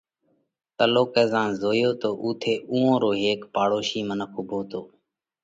تلُوڪئہ زائينَ زويو تو اُوٿئہ اُوئون رو هيڪ پاڙوشي منک اُوڀو تو